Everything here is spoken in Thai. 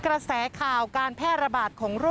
บริเวณหน้าสารพระการอำเภอเมืองจังหวัดลบบุรี